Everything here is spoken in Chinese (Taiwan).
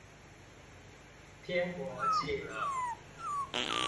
天國近了